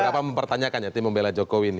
berapa mempertanyakan ya tim pembela jokowi ini